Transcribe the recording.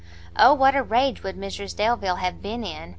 O what a rage would Mrs Delvile have been in!